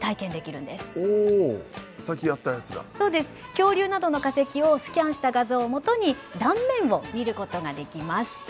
恐竜などの化石をスキャンした画像をもとに断面を見ることができます。